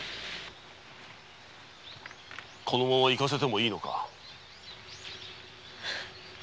このまま行かせてもいいのか？